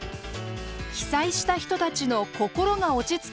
被災した人たちの心が落ち着く